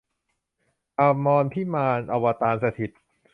อมรพิมาน อวตารสถิตย์